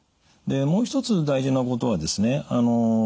もう一つ大事なことはですね